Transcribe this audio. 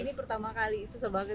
ini pertama kali susah banget